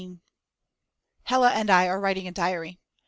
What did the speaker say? Hella and I are writing a diary.